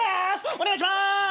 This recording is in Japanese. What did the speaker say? お願いします。